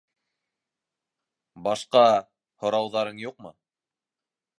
- Башҡа... һорауҙарың юҡмы?